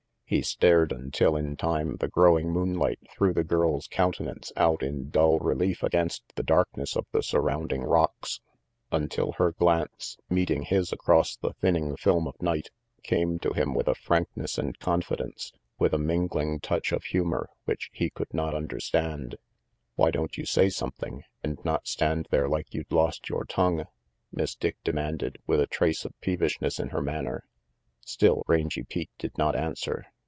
He stared until in time the growing moonlight threw the girl's countenance out in dull relief against the darkness of the surrounding rocks, until her glance, meeting his across the thinning film of night, came to him with a frankness and 292 RANGY PETE confidence, with a mingling touch of humor, which he could not understand. "Why don't you say something, and not stand there like you'd lost your tongue?" Miss Dick demanded, with a trace of peevishness in her manner Still Rangy Pete did not answer.